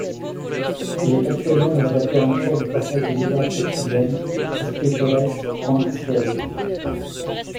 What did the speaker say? Il est actuellement le rédacteur en chef du portail de littérature chilienne Escritores.cl.